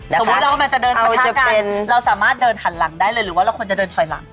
สมมุติเรากำลังจะเดินทางเราสามารถเดินหันหลังได้เลยหรือว่าเราควรจะเดินถอยหลัง